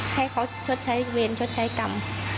ให้เขาชดใช้เวรชดใช้กรรม